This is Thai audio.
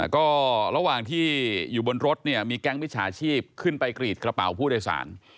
ก็ระหว่างที่อยู่บนรถเนี่ยมีแก๊งมิจฉาชีพขึ้นไปกรีดกระเป๋าผู้โดยสาร